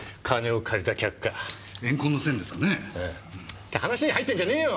って話に入ってんじゃねえよ！